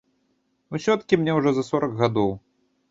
Усё-ткі мне ўжо за сорак гадоў.